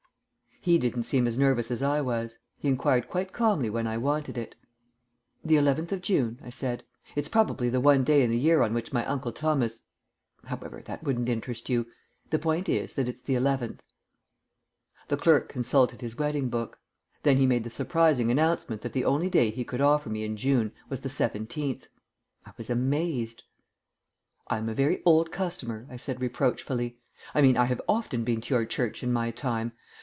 He didn't seem as nervous as I was. He enquired quite calmly when I wanted it. "The eleventh of June," I said. "It's probably the one day in the year on which my Uncle Thomas However, that wouldn't interest you. The point is that it's the eleventh." The clerk consulted his wedding book. Then he made the surprising announcement that the only day he could offer me in June was the seventeenth. I was amazed. "I am a very old customer," I said reproachfully. "I mean, I have often been to your church in my time.